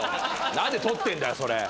何で撮ってんだよそれ。